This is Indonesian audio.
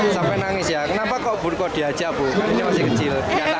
sampai nangis ya kenapa kok dihajar bu karena dia masih kecil